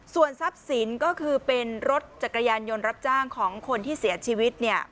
ส่วนทรัพย์สินก็คือเป็นรถจักรยานยนต์รับจ้างของคนที่เสียชีวิตเนี่ย